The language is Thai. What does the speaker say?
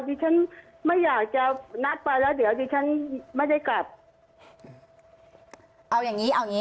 ดิฉันไม่อยากจะนัดไปแล้วเดี๋ยวดิฉันไม่ได้กลับเอาอย่างงี้เอาอย่างงี้